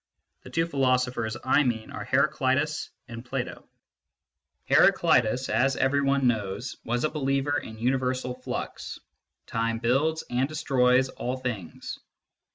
The two philosophers I mean are Herac&ius and Plato. * MYSTICISM AND LOGIC Heraclitus, as every one knows, was a believer in universal flux : time builds and destroys all things.